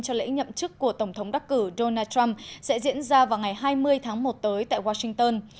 cho lễ nhậm chức của tổng thống đắc cử donald trump sẽ diễn ra vào ngày hai mươi tháng một tới tại washington